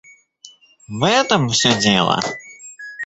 В этом все дело.